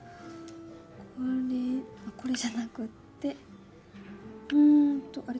これこれじゃなくてうんとあれ？